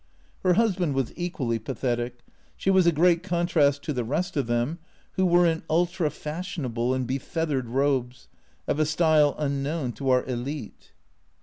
Her husband was equally pathetic. She was a great contrast to the rest of them, who were in ultra fashionable and befeathered robes, of a style unknown to our "elite."